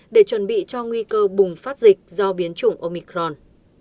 để chuẩn bị cho nguy cơ bùng phát dịch do biến chủng omicron